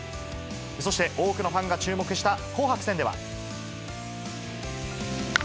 そして、多くのファンが注目した紅白戦では。